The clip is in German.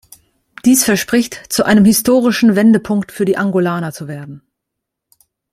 Dies verspricht zu einem historischen Wendepunkt für die Angolaner zu werden.